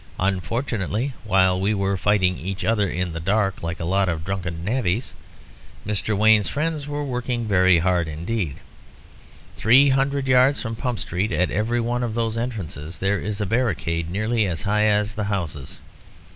Unfortunately, while we were fighting each other in the dark, like a lot of drunken navvies, Mr. Wayne's friends were working very hard indeed. Three hundred yards from Pump Street, at every one of those entrances, there is a barricade nearly as high as the houses.